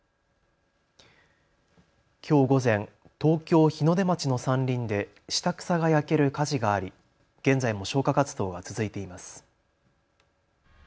きょう午前、東京日の出町の山林で下草が焼ける火事があり現在も消火活動が続いています。